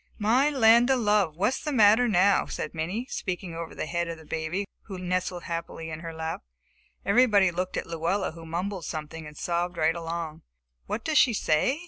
"My land of love, what's the matter now?" said Minnie, speaking over the head of the baby, who nestled happily in her lap. Everybody looked at Luella who mumbled something and sobbed right along. "What does she say?"